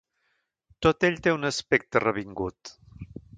Tot ell té un aspecte revingut.